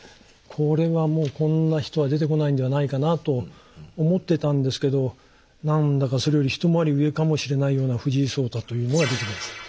これはもうこんな人は出てこないんではないかなと思ってたんですけど何だかそれより一回り上かもしれないような藤井聡太というのが出てきました。